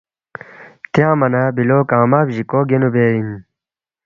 تیانگما نہ بِلو کنگمہ بجِیکو گینُو بے اِن